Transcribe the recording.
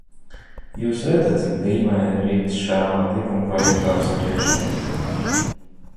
Jūs redzat, cik dīvaini rit šā likumprojekta apspriešana.